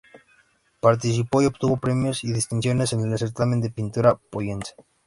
Participó y obtuvo premios y distinciones en el Certamen de Pintura de Pollensa.